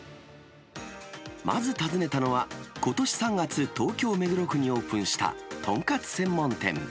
まず訪ねたのは、ことし３月、東京・目黒区にオープンした、豚カツ専門店。